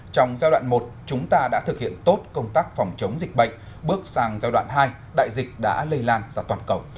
trong giai đoạn một chúng ta đã thực hiện tốt công tác phòng chống dịch bệnh bước sang giai đoạn hai đại dịch đã lây lan ra toàn cầu